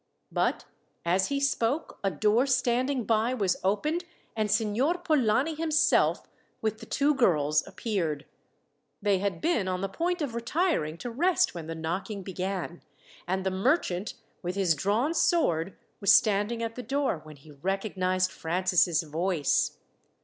But as he spoke a door standing by was opened, and Signor Polani himself, with the two girls, appeared. They had been on the point of retiring to rest when the knocking began, and the merchant, with his drawn sword, was standing at the door, when he recognized Francis' voice.